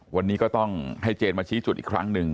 วันนี้ก็ต้องให้เจนมาชี้จุดอีกครั้งหนึ่ง